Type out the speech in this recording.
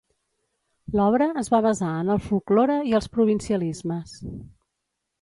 L'obra es va basar en el folklore i els provincialismes.